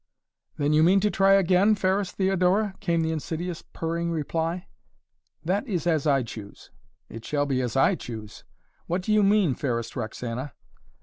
"Then you mean to try again, fairest Theodora?" came the insidious, purring reply. "That is as I choose!" "It shall be as I choose." "What do you mean, fairest Roxana?"